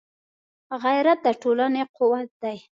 غیرت د ټولنې قوت دی